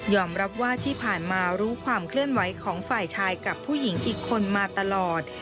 รับว่าที่ผ่านมารู้ความเคลื่อนไหวของฝ่ายชายกับผู้หญิงอีกคนมาตลอด